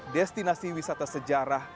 destinasi wisata sejarah